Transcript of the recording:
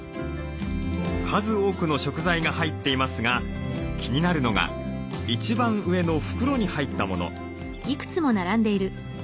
数多くの食材が入っていますが気になるのが一番上の袋に入ったもの。